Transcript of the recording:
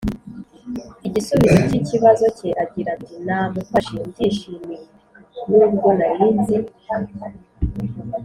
igisubizo cy ikibazo cye Agira ati Namufashe mbyishimiye n ubwo nari nzi